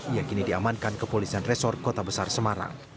ia kini diamankan kepolisian resor kota besar semarang